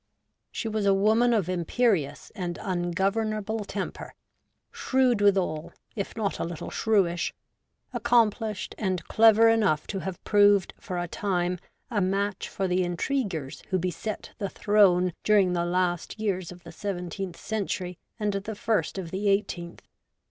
She was a woman of imperious and ungovernable temper, shrewd withal, 82 REVOLTED WOMAN. if not a little shrewish ; accomplished and clever enough to have proved, for a time, a match for the intriguers who beset the Throne during the last years of the seventeenth century and the first of the eighteenth.